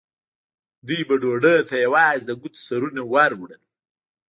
دوی به ډوډۍ ته یوازې د ګوتو سرونه وروړل.